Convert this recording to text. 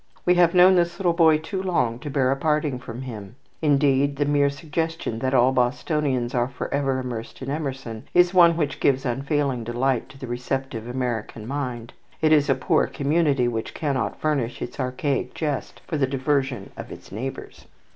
We have known this little boy too long to bear a parting from him. Indeed, the mere suggestion that all Bostonians are forever immersed in Emerson is one which gives unfailing delight to the receptive American mind. It is a poor community which cannot furnish its archaic jest for the diversion of its neighbours.